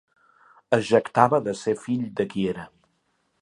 Es jactava de ser fill de qui era.